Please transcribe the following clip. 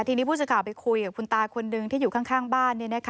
ทีนี้ผู้สื่อข่าวไปคุยกับคุณตาคนหนึ่งที่อยู่ข้างบ้าน